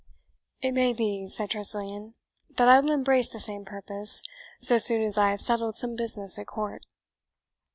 "It may be," said Tressilian, "that I will embrace the same purpose, so soon as I have settled some business at court."